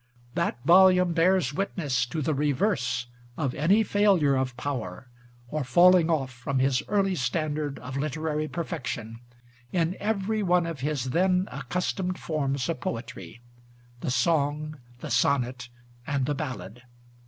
That volume bears witness to the reverse of any failure of power, or falling off from his early standard of literary perfection, in every one of his then accustomed forms of poetry the song, the sonnet, and the ballad.